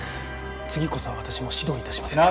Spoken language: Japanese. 次こそは私も指導いたしますから。